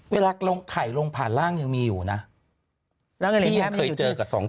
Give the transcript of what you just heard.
เวลาลงไข่ลงผ่านร่างยังมีอยู่นะแล้วไงที่ยังเคยเจอกับสองคน